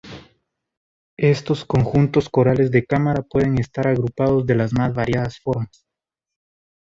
Estos conjuntos corales de cámara pueden estar agrupados de las más variadas formas.